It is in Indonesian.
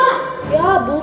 ya busuk langsung